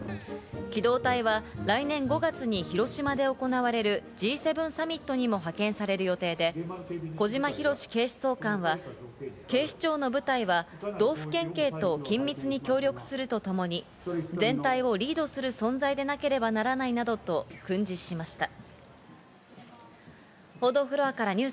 機動隊は来年５月に広島で行われるＧ７サミットにも派遣される予定で、小島裕史警視総監は警視庁の部隊は道府県警と緊密に協力するとともに全体をリードする存在でなければならないなどと訓示しました。